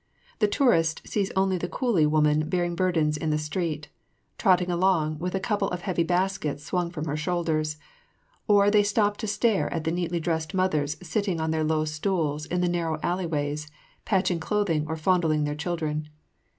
The tourists see only the coolie woman bearing burdens in the street, trotting along with a couple of heavy baskets swung from her shoulders, or they stop to stare at the neatly dressed mothers sitting on their low stools in the narrow alleyways, patching clothing or fondling their children.